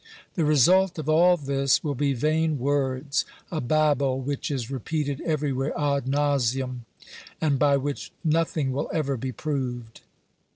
The result of all this will be vain words, a babble which is repeated everywhere, ad nauseam, and by which nothing will ever be proved.